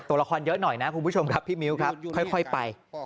ตัวละครเยอะหน่อยนะคุณผู้ชมครับพี่มิ้วครับค่อยไป